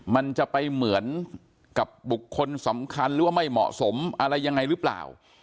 มันจะไปเหมือนกับบุคคลสำคัญหรือว่าไม่เหมาะสมอะไรยังไงหรือเปล่า